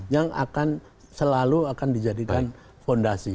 yang akan selalu akan dijadikan fondasi